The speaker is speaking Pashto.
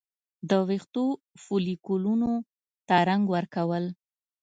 د ویښتو فولیکونو ته رنګ ورکول